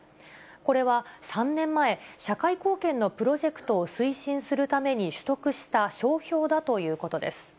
これは３年前、社会貢献のプロジェクトを推進するために取得した商標だということです。